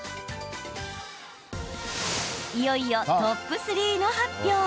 いよいよトップ３の発表。